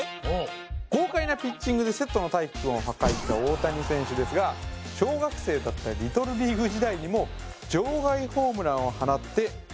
豪快なピッチングでセットのタイクくんを破壊した大谷選手ですが小学生だったリトルリーグ時代にもしているんです